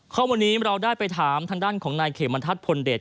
ข้อมูลนี้เราได้ไปถามทางด้านของนายเขมรทัศนพลเดช